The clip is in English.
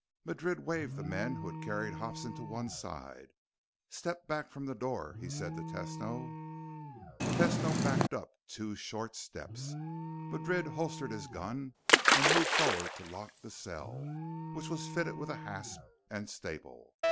Madrid waved the men who had carried Hobson to one side. "Step back from the door," he said to Tesno. Tesno backed up two short steps. Madrid holstered his gun and moved forward to lock the cell, which was fitted with a hasp and staple.